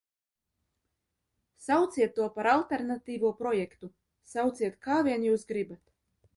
Sauciet to par alternatīvo projektu, sauciet, kā vien jūs gribat!